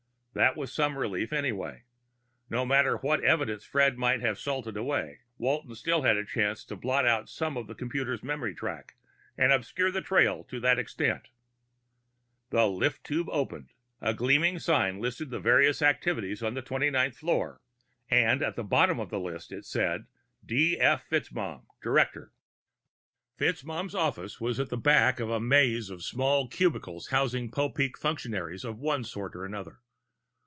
_ That was some relief, anyway. No matter what evidence Fred had already salted away, Walton still had a chance to blot out some of the computer's memory track and obscure the trail to that extent. The lift tube opened; a gleaming sign listed the various activities of the twenty ninth floor, and at the bottom of the list it said D. F. FitzMaugham, Director. FitzMaugham's office was at the back of a maze of small cubicles housing Popeek functionaries of one sort or another.